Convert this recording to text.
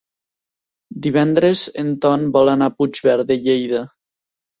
Divendres en Ton vol anar a Puigverd de Lleida.